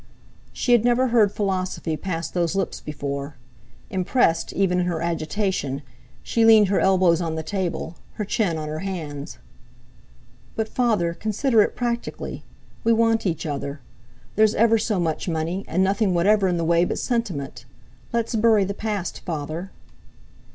She had never heard philosophy pass those lips before. Impressed even in her agitation, she leaned her elbows on the table, her chin on her hands. "But, Father, consider it practically. We want each other. There's ever so much money, and nothing whatever in the way but sentiment. Let's bury the past, Father."